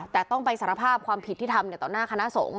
แต่ต้องไปสารภาพความผิดที่ทำต่อหน้าคณะสงฆ